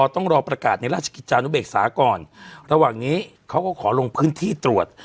ต้องรอประกาศในราชกิจจานุเบกษาก่อนระหว่างนี้เขาก็ขอลงพื้นที่ตรวจ